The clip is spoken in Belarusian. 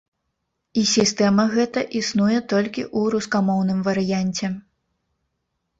І сістэма гэта існуе толькі ў рускамоўным варыянце.